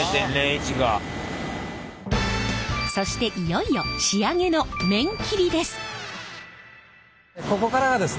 そしていよいよ仕上げの麺切りです。